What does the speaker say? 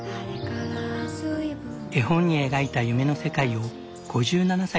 絵本に描いた夢の世界を５７歳で実現。